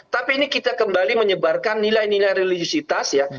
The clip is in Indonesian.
tapi ini kita kembali menyebarkan nilai nilai religisitas ya